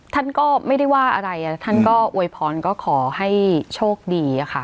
ท่านก็ไม่ได้ว่าอะไรท่านก็อวยพรก็ขอให้โชคดีค่ะ